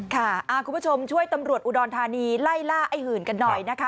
คุณผู้ชมช่วยตำรวจอุดรธานีไล่ล่าไอ้หื่นกันหน่อยนะคะ